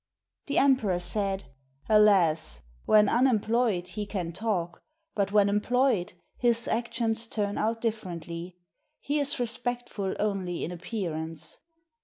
The emperor said, "Alas! when unemployed, he can talk; but when em ployed, his actions turn out differently. He is respectful only in appearance.